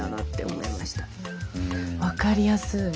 分かりやすい。